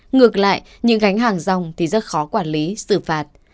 ngược lại những gánh hàng rong thì rất khó quản lý xử phạt